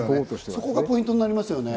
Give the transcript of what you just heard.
そこがポイントになりますね。